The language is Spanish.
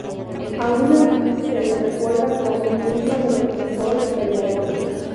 Aun así, se le recuerda como uno de los mejores peleadores.